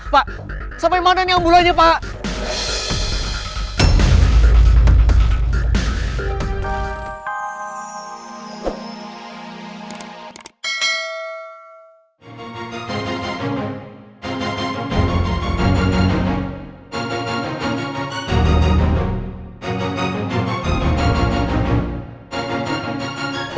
pak sampai mana nih ambulannya pak